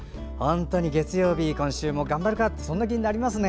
月曜日、今週も頑張ろうかとそんな気になりますね。